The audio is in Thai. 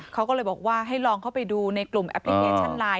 เขาก็เลยบอกว่าให้ลองเข้าไปดูในกลุ่มแอปพลิเคชันไลน